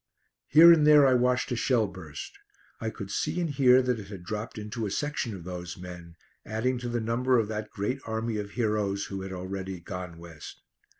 Here and there I watched a shell burst. I could see and hear that it had dropped into a section of those men, adding to the number of that great army of heroes who had already "gone West."